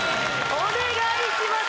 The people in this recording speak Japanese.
お願いします